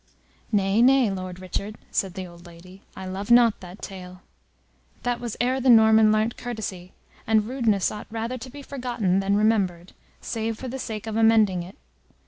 "Nay, nay, Lord Richard," said the old lady, "I love not that tale. That was ere the Norman learnt courtesy, and rudeness ought rather to be forgotten than remembered, save for the sake of amending it.